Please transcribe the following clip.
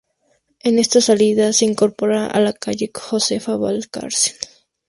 En esta salida se incorpora a la calle Josefa Valcárcel.